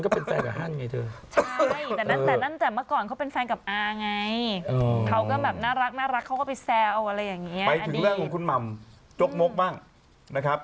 อันนี้เรื่องของคุณหม่ำจกมกบ้างนะครับ